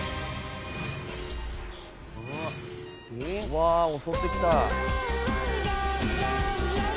わあ襲ってきた。